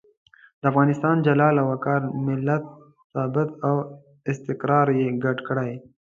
د افغانستان جلال او وقار، ملت ثبات او استقرار یې ګډ کړي.